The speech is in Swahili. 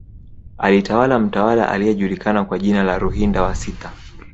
Alitawala mtawala aliyejulikana kwa jina la Ruhinda wa sita